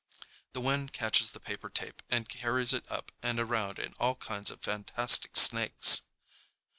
The wind catches the paper tape and carries it up and around in all kinds of fantastic snakes.